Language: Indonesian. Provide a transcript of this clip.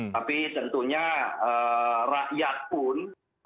tapi tentunya rakyat pun